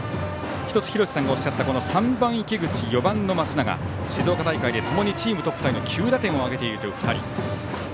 １つ廣瀬さんがおっしゃった３番、池口４番の松永は静岡大会でともにチームトップタイの９打点を挙げている２人。